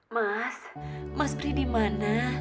mas mas pri dimana